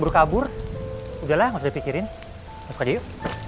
udah udah udah berkabur udahlah gausah dipikirin masuk aja yuk